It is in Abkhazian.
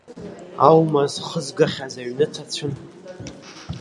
Аума зхызгахьаз аҩны ҭацәын.